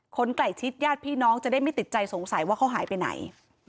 คนใกล้ชิดญาติพี่น้องจะได้ไม่ติดใจสงสัยว่าเขาหายไปไหน